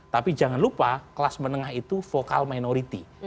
tapi jangan lupa kelas menengah itu vokal minority